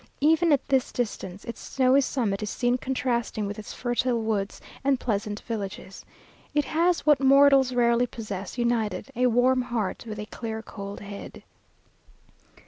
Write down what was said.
Even at this distance, its snowy summit is seen contrasting with its fertile woods and pleasant villages. It has, what mortals rarely possess united, a warm heart, with a clear, cold head.